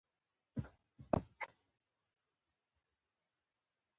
بونیس ایرس چې مانا یې ښه هوا ده، نرم اقلیم لري.